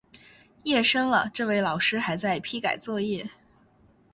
夜深了，这位老师还在批改作业